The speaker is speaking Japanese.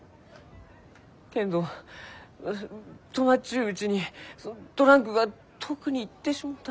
けんど泊まっちゅううちにトランクが遠くに行ってしもうたら。